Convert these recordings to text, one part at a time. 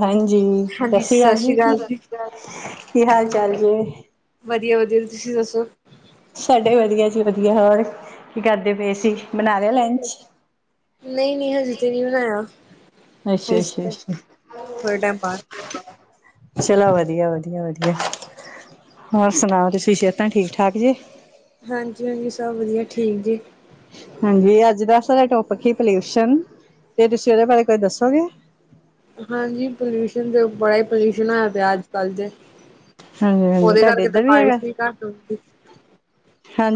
ਹਾਂਜੀ, ਸਤਿ ਸ੍ਰੀ ਅਕਾਲ ਜੀ, ਕੀ ਹਾਲ ਚਾਲ ਜੀ? ਵਧੀਆ, ਵਧੀਆ ਤੁਸੀਂ ਦੱਸੋ? ਸਾਡੇ ਵਧੀਆ ਜੀ ਵਧੀਆ ਹੋਰ ਕੀ ਕਰਦੇ ਪਏ ਸੀ ਬਣਾ ਲਿਆ ਲੰਚ? ਨਹੀਂ, ਨਹੀਂ ਹਜੇ ਤੇ ਨਹੀਂ ਬਣਾਇਆ ਅੱਛਾ ਹਜੇ ਅੱਛਾ ਤੇ ਅੱਛਾ ਥੋੜੇ ਟਾਈਮ ਬਾਅਦ ਚਲੋ ਵਧੀਆ, ਵਧੀਆ, ਵਧੀਆ ਹੋਰ ਸੁਣਾਓ ਤੁਸੀਂ ਸਿਹਤਾਂ ਠੀਕ ਠਾਕ ਜੇ? ਹਾਂਜੀ, ਹਾਂਜੀ ਸਭ ਵਧੀਆ ਠੀਕ ਜੀ। ਹਾਂਜੀ ਅੱਜ ਦਾ ਸਾਡਾ ਟੋਪਿਕ ਸੀ ਪੋਲਿਊਸ਼ਨ ਅਤੇ ਤੁਸੀਂ ਉਹਦੇ ਬਾਰੇ ਕੁਝ ਦੱਸੋਗੇ? ਹਾਂਜੀ ਪੋਲਿਊਸ਼ਨ ਤੇ ਬੜਾ ਹੀ ਪੋਲਿਊਸ਼ਨ ਹੋਇਆ ਪਿਆ ਅੱਜ ਕੱਲ ਜੇ। ਹਾਂਜੀ ਹਾਂਜੀ ਉਹਦੇ ਤੁਹਾਡੇ ਕਰਕੇ ਤੇ ਇੱਧਰ ਬਾਰਿਸ਼ ਹੈਗਾ ਵੀ ਘੱਟ ਹੁੰਦੀ।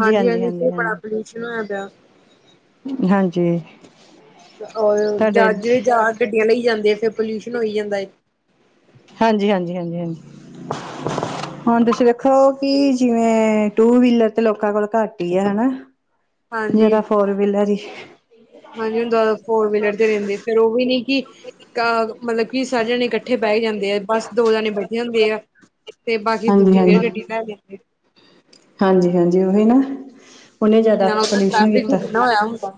ਹਾਂਜੀ ਹਾਂਜੀ ਫੇਰ ਬੜਾ ਪੋਲਿਊਸ਼ਨ ਹੋਇਆ ਪਿਆ। ਹਾਂਜੀ ਉਹੀਉ ਤੁਹਾਡੇ ਜਾ ਜਿਹੜੇ ਗੱਡੀਆਂ ਲਈ ਜਾਂਦੇ ਆ ਫੇਰ ਪੋਲਿਊਸ਼ਨ ਹੋਈ ਜਾਂਦਾ ਹੈ। ਹਾਂਜੀ, ਹਾਂਜੀ, ਹਾਂਜੀ, ਹਾਂਜੀ। ਹੁਣ ਤੁਸੀਂ ਵੇਖੋ ਕਿ ਜਿਵੇਂ ਟੂ ਵੀਲਰ ਤੇ ਲੋਕਾਂ ਕੋਲ ਘੱਟ ਹੀ ਆ ਹੈ ਨਾ। ਹਾਂਜੀ ਮੇਰਾ ਫੋਰ ਵੀਲਰ ਹੀ ਹਾਂਜੀ ਹੁਣ ਦੁਬਾਰਾ ਫੋਰ ਵੀਲਰ ਤੇ ਰਹਿੰਦੇ ਫੇਰ ਉਹ ਵੀ ਨੀ ਕਿ ਕਾ। ਮਤਲਬ ਕਿ ਸਾਰੇ ਜਣੇ ਇਕੱਠੇ ਬਹਿ ਜਾਂਦੇ ਆ ਬਸ ਦੋ ਜਾਣੇ ਬੈਠੇ ਹੁੰਦੇ ਆ। ਤੇ ਬਾਕੀ ਹਾਂਜੀ ਦੂਜੀ ਫੇਰ ਹਾਂਜੀ ਗੱਡੀ ਲੈ ਜਾਂਦੇ। ਹਾਂਜੀ, ਹਾਂਜੀ ਉਹੀ ਨਾ ਉਹਨੇ ਹਮ ਜ਼ਿਆਦਾ ਨਾਲ ਉਹਦਾ ਪੋਲਿਊਸ਼ਨ ਟ੍ਰੈਫਿਕ ਵੀ ਕੀਤਾ। ਕਿੰਨਾ ਹੋਇਆ ਹੁੰਦਾ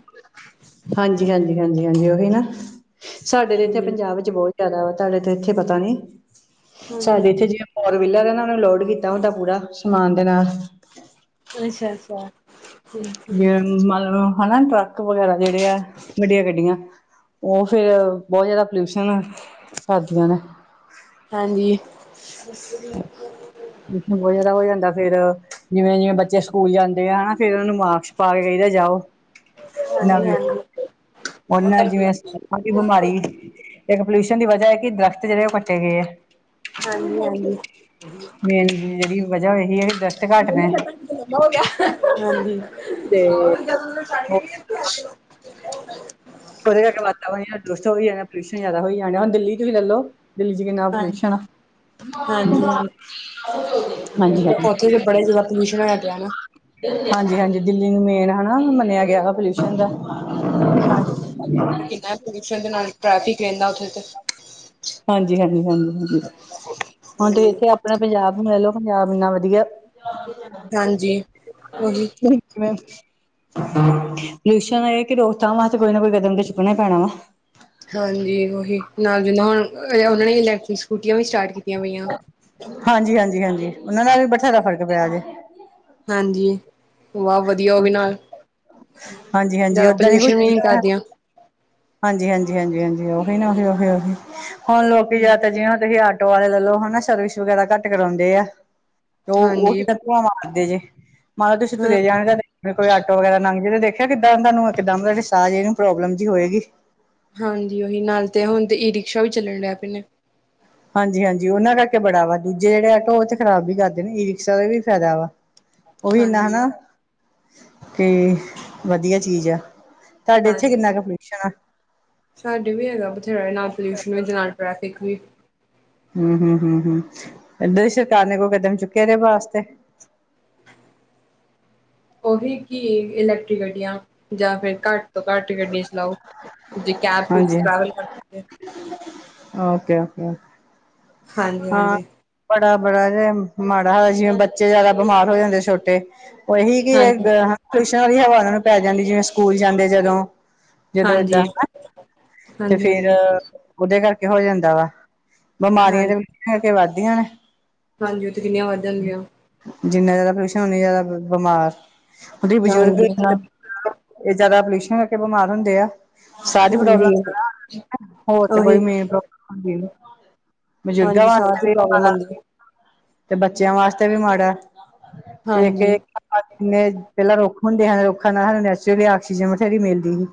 ਹਾਂਜੀ, ਹਾਂਜੀ, ਹਾਂਜੀ, ਹਾਂਜੀ ਉਹੀ ਨਾ ਸਾਡੇ ਤੇ ਇੱਥੇ ਹਮ ਪੰਜਾਬ ਵਿੱਚ ਬਹੁਤ ਜ਼ਿਆਦਾ ਵਾ ਤੁਹਾਡੇ ਤੇ ਇੱਥੇ ਪਤਾ ਨੀ ਹਾਂਜੀ ਸਾਡੇ ਇੱਥੇ ਜਿਹਾ ਫੋਰਵੀਲਰ ਇਹਨਾਂ ਨੇ ਲੋਡ ਕੀਤਾ ਹੁੰਦਾ ਪੂਰਾ ਸਮਾਨ ਦੇ ਨਾਲ ਅੱਛਾ -ਅੱਛਾ। ਠੀਕ ਜ ਠੀਕ ਮਤਲਬ ਹੈ ਨਾ ਟਰੱਕ ਵਗੈਰਾ ਜਿਹੜੇ ਆ ਵੱਡੀਆਂ ਗੱਡੀਆਂ। ਉਹ ਫਿਰ ਬਹੁਤ ਜ਼ਿਆਦਾ ਪੋਲਿਊਸ਼ਨ ਕਰਦੀਆਂ ਨੇ। ਹਾਂਜੀ ਪਲਿਊਸ਼ਨ ਬਹੁਤ ਜ਼ਿਆਦਾ ਹੋ ਜਾਂਦਾ ਫੇਰ ਜਿਵੇਂ, ਜਿਵੇਂ ਬੱਚੇ ਸਕੂਲ ਜਾਂਦੇ ਆ ਹੈ ਨਾ ਫ਼ੇਰ ਉਹਨਾਂ ਨੂੰ ਮਾਰਕਸ ਪਾ ਕੇ ਕਹੀਦਾ ਜਾਓ। ਹਾਂਜੀ ਹਾਂਜੀ ਉਹਨਾਂ ਜਿਵੇਂ ਅਸੀਂ ਹਾਂਜੀ ਬਿਮਾਰੀ ਇੱਕ ਪੋਲਿਊਸ਼ਨ ਦੀ ਵਜ੍ਹਾ ਹੈ ਕਿ ਦਰਖ਼ਤ ਜਿਹੜੇ ਉਹ ਕੱਟੇ ਗਏ ਐ। ਹਾਂਜੀ- ਹਾਂਜੀ। ਮੇਨ ਜਿਹੜੀ ਵਜ੍ਹਾ ਹੋਈ ਦੀ ਇਹ ਦਰਖਤ ਘੱਟ ਨੇ ਲੰਬਾ ਹੋ ਗਿਆ ਹਾਂਜੀ। [inaudible] ਤੇ ਉਹਦੇ ਕਰਕੇ ਵਾਤਾਵਰਨ ਦੁਸਟ ਹੋ ਜਾਣੇ ਪੋਲਿਊਸ਼ਨ ਜ਼ਿਆਦਾ ਹੋਈ ਜਾਣ ਡਿਆ ਦਿੱਲੀ ਤੁਸੀਂ ਲੈਲੋ। ਦਿੱਲੀ 'ਚ ਕਿੰਨਾ ਪੋਲਿਊਸ਼ਨ ਆ। ਹਾਂਜੀ-ਹਾਂਜੀ ਹਾਂਜੀ ਹਾਂਜੀ ਉੱਥੇ ਤਾਂ ਬੜੇ ਜਾਦਾ ਪੋਲਿਊਸ਼ਨ ਹੋਯਾ ਪਿਆ ਨਾ। ਹਾਂਜੀ-ਹਾਂਜੀ ਦਿੱਲੀ ਨੂੰ ਮੇਨ ਹਨਾ ਮੰਨਿਆ ਗਿਆ ਪੋਲਿਊਸ਼ਨ ਦਾ [unintelligible] ਕਿੰਨਾ ਪੋਲਿਊਸ਼ਨ ਦੇ ਨਾਲ ਟੈਫਿਕ ਏਨਾ ਉਥੇ ਤੇ ਹਾਂਜੀ-ਹਾਂਜੀ-ਹਾਂਜੀ-ਹਾਂਜੀ ਹੁਣ ਤੇ ਹਾਂਜੀ। ਇੱਥੇ ਆਪਣੇ ਪੰਜਾਬ ਨੂੰ ਲੈ ਲੋ ਪੰਜਾਬ ਇੰਨਾ ਵਧੀਆ। ਹਾਂ ਹਾਂਜੀ ਉਹੀ [unintelligible] ਸ਼ ਇਹ ਕਿ ਰੋਕਤਾ ਵਾ ਤੇ ਕੋਈ ਨਾ ਕੋਈ ਕਦਮ ਤੇ ਚੁੱਕਣਾ ਪੈਣਾ ਵਾ। ਹਾਂਜੀ ਉਹੀ ਨਾਲ ਜਿੰਨਾ ਹੁਣ ਉਹਨਾਂ ਨੇ ਇਲੈਕਟ੍ਰਿਕ ਸਕੂਟੀਆਂ ਵੀ ਸਟਾਰਟ ਕੀਤੀਆਂ ਪਈਆਂ। ਹਾਂਜੀ-ਹਾਂਜੀ-ਹਾਂਜੀ ਉਹਨਾਂ ਨਾਲ ਵੀ ਬਥੇਰਾ ਫ਼ਰਕ ਪਿਆ ਜੇ [inaudible] ਹਾਂਜੀ ਵਾਹ ਵਧੀਆ ਓ ਵੀ ਨਾਲ ਹਾਂਜੀ-ਹਾਂਜੀ ਜ਼ਿਆਦਾ ਓਦਾਂ ਨਈ ਪੋਲਿਊਸ਼ਨ ਵੀ ਕੀ ਨਹੀਂ ਦਾ ਕਰਦੀਆਂ। ਹਾਂਜੀ-ਹਾਂਜੀ-ਹਾਂਜੀ-ਹਾਂਜੀ ਉਹੀ ਨਾ ਉਹੀ-ਉਹੀ-ਉਹੀ ਹੁਣ ਲੋਕੀ ਯ ਤਾਂ ਜਿ ਤੁਸੀਂ ਆਟੋ ਵਾਲੇ ਲੈਲੋ ਹਨਾ ਸਰਵਿਸ ਵਗੈਰਾ ਘੱਟ ਕਰਾਉਂਦੇ ਆ ਤੇ ਓ ਹਾਂਜੀ ਉਹੀ ਤਾ ਹਾਂ [inaudible] ਫੇਰ ਕੋਈ ਆਟੋ ਵਗੈਰਾ ਲੰਘ ਜੇ ਤੇ ਦੇਖਿਆ ਕਿੱਦਾਂ ਤੁਾਨੂੰ ਕਿਦਾਂ ਸਾਹ ਜ ਨੂੰ ਪ੍ਰੋਬਲਮ ਜਿ ਹੋਏਗੀ ਹਾਂਜੀ ਉਹੀ ਨਾਲ ਤੇ ਹੁਣ ਤੇ ਈ ਰਿਕਸ਼ਾ ਵੀ ਚੱਲਣ ਡਿਆ ਪਏ ਨੇ। ਹਾਂਜੀ-ਹਾਂਜੀ ਉਹਨਾਂ ਕਰਕੇ ਬੜਾ ਵਾ ਦੂਜੇ ਜਿਹੜੇ ਆਟੋ ਓ ਤੇ ਖਰਾਬ ਵੀ ਕਰਦੇ ਨੇ ਈ ਰਿਕਸ਼ਾ ਦਾ ਵੀ ਫਾਇਦਾ ਵਾ ਉਹੀ ਹਾਂਜੀ ਨਾ-ਨਾ ਕਿ ਵਧੀਆ ਚੀਜ਼ ਆ। ਇੱਥੇ ਹਾਂਜੀ ਕਿੰਨਾ ਕੁ ਪੋਲਿਊਸ਼ਨ ਆ ਸਾਡੇ ਵੀ ਹੈਗਾ ਬਥੇਰਾ ਨਾਲ ਪੋਲਿਊਸ਼ਨ ਵਿੱਚ ਨਾਲ ਟ੍ਰੈਫਿਕ ਵੀ ਹੂੰ-ਹੂੰ-ਹੂੰ-ਹੂੰ ਇੱਦਾਂ ਦੀ ਸਰਕਾਰ ਨੇ ਕੋਈ ਕਦਮ ਚੁੱਕਿਆ ਏਦੇ ਵਾਸਤੇ ਉਹੀ ਕੀ ਇਲੈਕਟ੍ਰਿਕ ਗੱਡੀਆਂ ਜਾਂ ਫਿਰ ਘੱਟ ਤੋਂ ਘੱਟ ਗੱਡੀ ਚਲਾਓ ਜੇ ਹਾਂਜੀ ਕੈਬ-ਕੁਬਸ ਕਰ ਸਕਦੇ। ਓਕੇ-ਓਕੇ ਹਾਂ ਹਾਂਜੀ-ਹਾਂਜੀ। ਬੜਾ-ਬੜਾ ਜੇ ਮਾੜਾ ਜਿਵੇਂ ਬੱਚੇ ਜਿਆਦਾ ਬਿਮਾਰ ਹੋ ਜਾਂਦੇ ਛੋਟੇ ਉਹੀ ਕਿ ਹਾਂਜੀ, ਏਹ ਟਿਊਸ਼ਨ ਵਾਲੀ ਹਵਾ ਉਨ੍ਹਾਂ ਨੂੰ ਪੈ ਜਾਂਦੀ ਜਿਵੇਂ ਸਕੂਲ ਜਾਂਦੇ ਜਦੋਂ ਜਦੋਂ ਇਦਾਂ ਹਾਂਜੀ, ਨਾ ਤੇ ਫੇਰ ਹਾਂਜੀ-ਹਾਂਜੀ। ਉਹਦੇ ਕਰਕੇ ਹੋ ਜਾਂਦਾ ਵਾ ਹਾਂ, ਬਿਮਾਰੀਆਂ ਦੇ ਤਾਹੀ ਤੇ ਵਧਦੀਆਂ ਨੇ ਹਾਂਜੀ ਉਹ ਤੇ ਕਿੰਨੀਆਂ ਵੱਧ ਜਾਣਦੀਆਂ। ਜਿੰਨਾ ਜਾਦਾ ਪੋਲਿਊਸ਼ਨ ਉਨੇ ਜਾਦਾ ਬਿਮਾਰ ਉਦੇ 'ਚ ਬਜ਼ੁਰਗ ਹਾਂਜੀ ਹਾਂ, ਇਹ ਜਾਦਾ ਪੋਲਿਊਸ਼ਨ ਕਰਕੇ ਬਿਮਾਰ ਹੁੰਦੇ ਆ। ਸਾਰੀ ਪ੍ਰੋਬਲਮ ਹਾਂਜੀ। ਏਹਨਾ ਹੋਰ ਤੇ ਕੋਈ ਉਹੀ ਮੇਨ ਪ੍ਰੋਬ ਬਜ਼ੁਰਗਾਂ ਹਾਂਜੀ ਸਾਹ ਦੀ ਵਾਸਤੇ ਵੀ ਪ੍ਰੋਬਲਮ ਮਾੜਾ ਆਂਦੀ ਐ। ਤੇ ਬੱਚਿਆਂ ਵਾਸਤੇ ਵੀ ਮਾੜਾ ਤੇ ਹਾਂਜੀ, ਅਗੇ ਇਨੇ ਪਹਿਲਾਂ ਰੁੱਖ ਹੁੰਦੇ ਹਨ ਰੁੱਖਾਂ ਨਾਲ ਸਾਨੂੰ ਨੈਚੁਰਲੀ ਆਕਸੀਜਨ ਬਥੇਰੀ ਮਿਲਦੀ ਹੀ।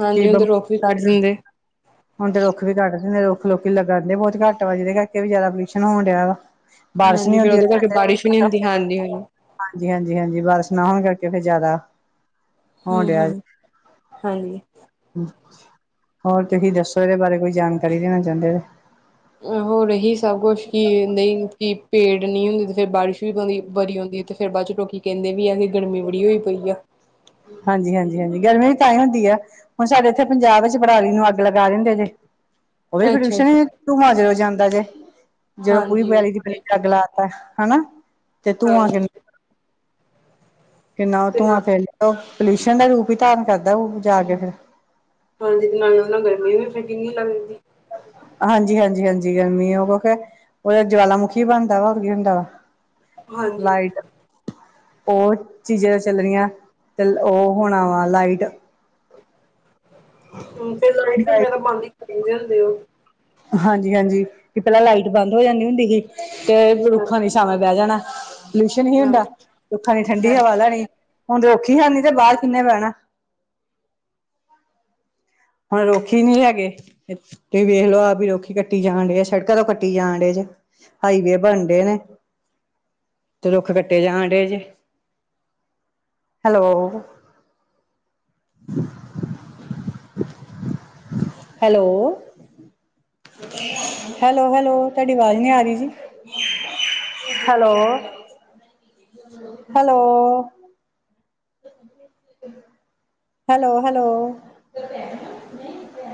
ਹਾਂਜੀ ਹੁਨ ਤੇ ਰੁੱਖ ਵੀ ਕਟ ਦਿੰਦੇ। ਹੁਣ ਤੇ ਰੁੱਖ ਵੀ ਕਟ ਦਿੰਦੇ ਰੁੱਖ ਲੋਕੀ ਲਗਾਂਦੇ ਬਹੁਤ ਘੱਟ ਵਾ ਜਿਹਦੇ ਕਰਕੇ ਵੀ ਜ਼ਦਾ ਪਲਿਊਸ਼ਨ ਹੋਣ ਡਿਆ ਵਾ [inaudible] ਹਾਂਜੀ ਫੇਰ ਹੁੰਦੀ ਉਹਦੇ ਕਰਕੇ ਬਾਰਿਸ਼ ਵੀ ਨੀ ਹੁੰਦੀ ਹਾਂਜੀ-ਹਾਂਜੀ। ਹਾਂਜੀ-ਹਾਂਜੀ-ਹਾਂਜੀ ਬਾਰਿਸ਼ ਨਾ ਹੋਣ ਕਰਕੇ ਫਿਰ ਜਾਦਾ ਹੂੰ, ਹੂੰ ਹਾਂਜੀ ਹੋਰ ਤੁਸੀਂ ਦੱਸੋ ਇਹਦੇ ਬਾਰੇ ਕੋਈ ਜਾਣਕਾਰੀ ਦੇਣਾ ਚਾਹੁੰਦੇ ਹੋਰ ਇਹੀ ਸਭ ਕੁਛ ਕਿ ਨਹੀਂ ਕਿ ਪੇੜ ਨਹੀ ਹੁੰਦੀ ਤੇ ਫਿਰ ਬਾਰਿਸ਼ ਵੀ ਬੜੀ ਬੜੀ ਆਂਦੀ ਇਥੇ ਫਿਰ ਬਾਦ ਚ ਲੋਕੀ ਕਹਿੰਦੇ ਵੀ ਆ ਕਿ ਗਰਮੀ ਬੜੀ ਹੋਈ ਪਈ ਆ। ਹਾਂਜੀ-ਹਾਂਜੀ-ਹਾਂਜੀ ਗਰਮੀ ਵੀ ਤਾਂਹੀ ਹੁੰਦੀ ਆ। ਹੁਣ ਸਾਡੇ ਇੱਥੇ ਪੰਜਾਬ ਵਿੱਚ ਪਰਾਲੀ ਨੂੰ ਅੱਗ ਲਗਾ ਦਿੰਦੇ ਜੇ ਉਹ ਵੀ ਅੱਛਾ ਪੋਲਿਊਸ਼ਨ ਅੱਛਾ ਈ ਏ ਧੁਆ ਜਦੋਂ ਜਾਂਦਾ ਜੇ ਜਦੋਂ ਪੂਰੀ ਹਾਂਜੀ ਉਹ ਪਰਾਲੀ ਤਾਂ ਦੀ ਪ ਸਹੀ, ਅੱਗ ਲਾ ਹੈ ਨਾ ਤੇ ਧੂਆ ਹਾਂਜੀ ਕਿਨ ਕਿੰਨਾ ਤੇ ਧੂੰਆਂ ਨਾਲ ਫੇਰ ਪੋਲਿਊਸ਼ਨ ਦਾ ਰੂਪ ਹੀ ਧਾਰਨ ਕਰਦਾ ਉਹ ਜਾ ਕੇ ਫਿਰ ਹਾਂਜੀ ਨਾਲ ਉਹ ਨਾਲ ਗਰਮੀ ਵੀ ਫੇਰ ਕਿੰਨੀ ਲੱਗਦੀ। ਹਾਂਜੀ-ਹਾਂਜੀ-ਹਾਂਜੀ ਗਰਮੀ ਉਹ ਕ ਉਹਦਾ ਜਵਾਲ ਮੁੁਖੀ ਬਣਦਾ ਵਾ ਕੀ ਹੁੰਦਾ ਵਾ ਹਾਂਜੀ ਲਾਈਟ ਹੋਰ ਚੀਜ਼ਾਂ ਚਲ ਰਹੀਆਂ ਤੇ ਉਹ ਹੋਣਾ ਵਾ ਲਾਈਟ ਹਮ ਤੇ ਲਾਈਟ ਵੀ ਮੇਰਾ ਬੰਦ ਹੀ ਕਰਦੇ ਹੁੰਦੇ ਉਹ ਹਾਂਜੀ-ਹਾਂਜੀ ਕਿ ਪਹਿਲਾਂ ਲਾਈਟ ਬੰਦ ਹੋ ਜਾਂਦੀ ਹੁੰਦੀ ਸੀਗੀ ਤੇ ਹਾਂ ਰੁੱਖਾਂ ਨੀ ਛਾਵੇ ਬਹਿ ਜਾਣਾ। ਪਲਿਊਸ਼ਨ ਹੀ ਨੀ ਹਾਂ, ਹੁੰਦਾ ਰੁੱਖਾਂ ਨੀ ਠੰਡੀ ਹਾਂਜੀ ਹਵਾ ਲੈਣੀ ਹੁਣ ਰੁਖ ਹੀ ਹੈ ਨੀ ਤੇ ਬਾਹਰ ਕਿੰਨੇ ਬੈਨਾ। ਹੁਣ ਰੁਖ਼ ਹੀ ਨਹੀਂ ਹੈਗੇ। ਤੁਸੀਂ ਵੇਖ ਲਓ ਰੁਖ਼ ਕੱਟੀ ਜਾਣ ਡੇ ਸੜਕਾਂ ਤੋਂ ਕੱਟੀ ਜਾਣ ਡੇ ਜੇ ਹਾਈਵੇ ਬਣਦੇ ਨੇ ਤੇ ਰੁੱਖ ਕੱਟੇ ਜਾਣ ਡੇ ਜੇ ਹੈਲੋ ਹੈਲੋ ਹੈਲੋ, ਹੈਲੋ ਤੁਹਾਡੀ ਆਵਾਜ਼ ਨਹੀਂ ਆ ਰਹੀ ਜੀ ਹੈਲੋ। Hello hello, hello.